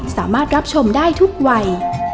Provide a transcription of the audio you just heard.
สามารถรับชมได้ทุกวัย